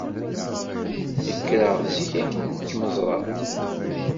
Nekreɣ-d zik akken ad kem-ẓreɣ.